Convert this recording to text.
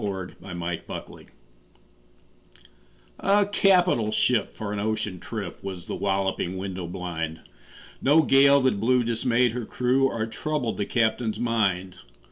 Y Z A Nautical Ballad A CAPITAL ship for an ocean trip Was The Walloping Window blind No gale that blew dismayed her crew Or troubled the captain's mind.